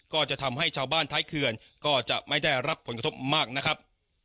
ก็จะทำให้ชาวบ้านท้ายเขื่อนก็จะไม่ได้รับผลกระทบมากนะครับ